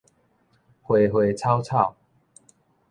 花花草草